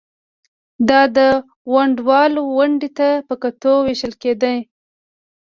دا د ونډه وال ونډې ته په کتو وېشل کېده